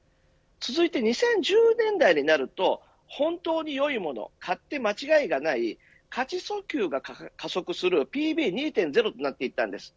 続いて２０１０年代になると本当によいもの買って間違いがない価値訴求が加速するＰＢ２．０になっていったんです。